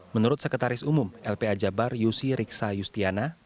menurut sekretaris umum lpa jabar yusi riksa yustiana